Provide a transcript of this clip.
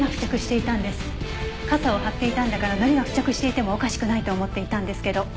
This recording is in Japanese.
傘を張っていたんだから糊が付着していてもおかしくないと思っていたんですけど。